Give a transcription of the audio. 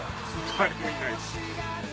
誰もいないです。